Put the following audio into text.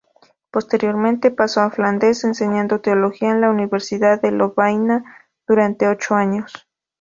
Posteriormente pasó a Flandes, enseñando teología en la Universidad de Lovaina durante ocho años.